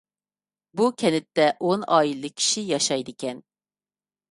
بۇ كەنتتە ئون ئائىلىلىك كىشى ياشايدىكەن.